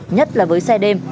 nhất là với xe đêm